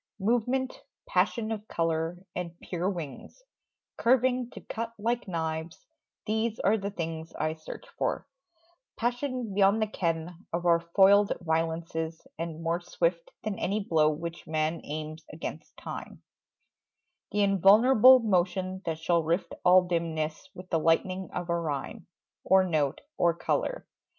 Movement, passion of colour and pure wings, Curving to cut like knives these are the things I search for: passion beyond the ken Of our foiled violences, and, more swift Than any blow which man aims against time, The invulnerable, motion that shall rift All dimness with the lightning of a rhyme, Or note, or colour.